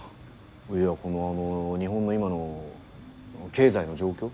いやこのあの日本の今の経済の状況？